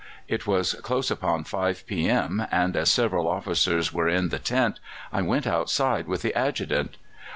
"It was close upon 5 p.m., and, as several officers were in the tent, I went outside with the Adjutant.